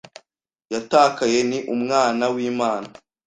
Yatakaye ni Umwana w'Imana,